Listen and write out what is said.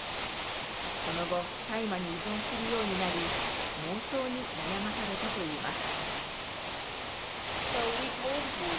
その後大麻に依存するようになり妄想に悩まされたといいます。